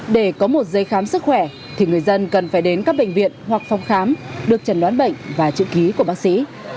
để có một giấy khám sức khỏe thì người dân cần phải đến các bệnh viện hoặc phòng khám được chẩn đoán bệnh và chữ ký của bác sĩ